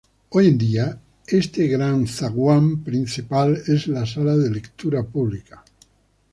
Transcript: Hoy en día, este gran hall principal es la sala de lectura pública.